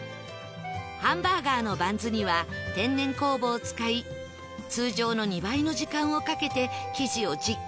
ハンバーガーのバンズには天然酵母を使い通常の２倍の時間をかけて生地をじっくり熟成